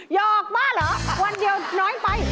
หอกบ้าเหรอวันเดียวน้อยไป